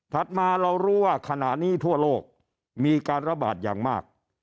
มาเรารู้ว่าขณะนี้ทั่วโลกมีการระบาดอย่างมาก